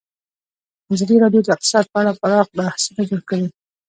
ازادي راډیو د اقتصاد په اړه پراخ بحثونه جوړ کړي.